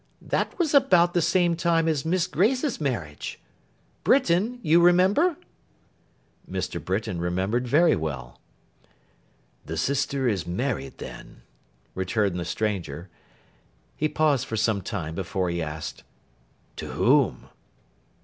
That was about the same time as Miss Grace's marriage. Britain, you remember?' Mr. Britain remembered very well. 'The sister is married then,' returned the stranger. He paused for some time before he asked, 'To whom?